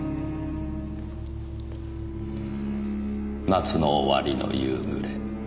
夏の終わりの夕暮れ。